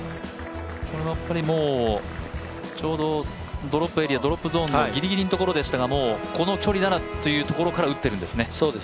ちょうど、ドロップエリアドロップゾーンのぎりぎりのところでしたがもうこの距離ならというところから打っているんですね。